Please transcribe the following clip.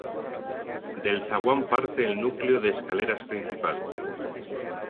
Del zaguán parte el núcleo de escaleras principal.